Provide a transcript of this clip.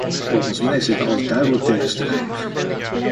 Volgens mij is dit alles duidelijk tegenstrijdig.